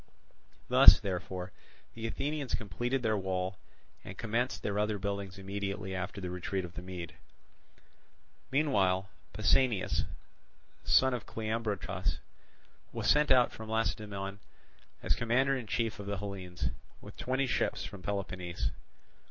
Thus, therefore, the Athenians completed their wall, and commenced their other buildings immediately after the retreat of the Mede. Meanwhile Pausanias, son of Cleombrotus, was sent out from Lacedaemon as commander in chief of the Hellenes, with twenty ships from Peloponnese.